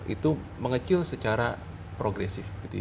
itu mengecil secara progresif